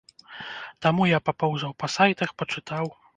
Таму я папоўзаў па сайтах, пачытаў.